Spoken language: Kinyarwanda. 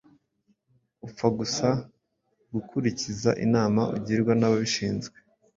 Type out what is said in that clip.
Upfa gusa gukurikiza inama ugirwa n’ababishinzwe!